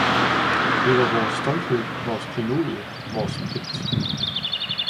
Den var vores stolthed, vores klenodie, vores pligt.